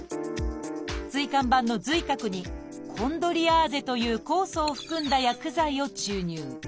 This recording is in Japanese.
椎間板の髄核に「コンドリアーゼ」という酵素を含んだ薬剤を注入。